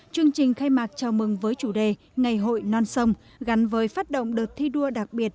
chương trình khai mạc chào mừng với chủ đề ngày hội non sông gắn với phát động đợt thi đua đặc biệt